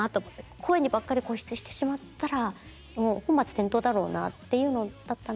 声にばっかり固執してしまったらもう本末転倒だろうなっていうのだったので。